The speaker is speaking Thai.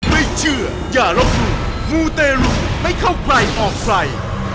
ไม่เชื่ออย่ารับมูมูเตรลุไม่เข้าใกล้ออกไฟ